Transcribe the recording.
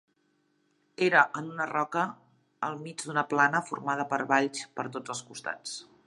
Era en una roca al mig d'una plana formada per valls per tots els costats.